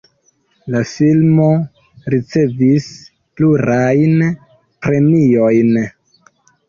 La filmo ricevis plurajn premiojn.